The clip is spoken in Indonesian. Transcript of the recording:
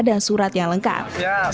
dan surat yang lengkap